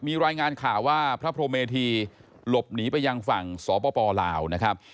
มีรายงานข่าวว่าพระพรหมเมธีหลบหนีไปยังฝั่งสปลาวนะครับ